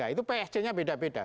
itu psc nya beda beda